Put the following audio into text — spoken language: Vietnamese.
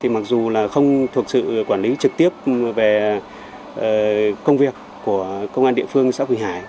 mặc dù là không thuộc sự quản lý trực tiếp về công việc của công an địa phương xã quỳnh hải